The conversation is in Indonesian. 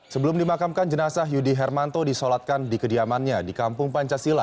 sebelum dimakamkan jenazah yudi hermanto disolatkan di kediamannya di kampung pancasila